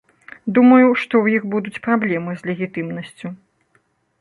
Думаю, што ў іх будуць праблемы з легітымнасцю.